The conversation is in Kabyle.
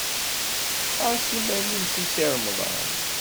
Ɛass iman-im seg Si Remḍan.